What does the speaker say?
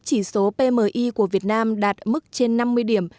chỉ số pmi của việt nam đạt mức trên năm mươi điểm